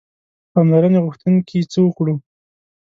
پاملرنې غوښتونکي څه وکړو.